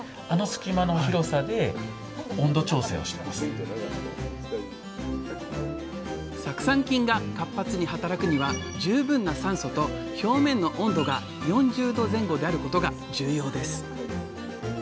あれ酢酸菌が活発に働くには十分な酸素と表面の温度が４０℃前後であることが重要です。